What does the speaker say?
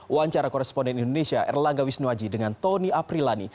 wancara koresponden indonesia erlangga wisnuaji dengan tony aprilani